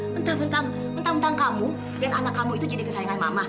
mentang mentang kamu dan anak kamu itu jadi kesayangan mama